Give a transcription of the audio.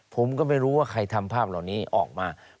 ผมก็ไม่รู้ว่าใครทำภาพเหล่านี้ออกมา